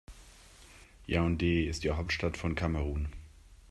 Yaoundé ist die Hauptstadt von Kamerun.